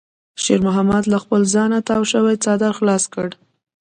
شېرمحمد له خپل ځانه تاو شوی څادر خلاص کړ.